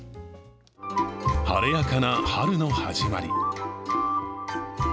晴れやかな春の始まり。